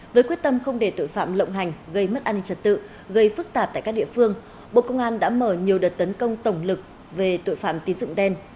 với quyết tâm không để tội phạm lộng hành gây mất an ninh trật tự gây phức tạp tại các địa phương bộ công an đã mở nhiều đợt tấn công tổng lực về tội phạm tín dụng đen